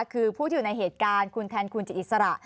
คือผู้ที่อยู่ในเหตุการณ์คุณแทนคุณจิตอิสระ